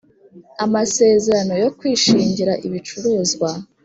amasezerano yo kwishingira ibicuruzwa